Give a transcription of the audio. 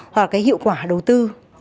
hoặc cái hiệu quả đầu tư